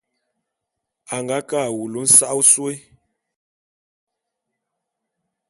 A nga ke a wulu nsa'a ôsôé.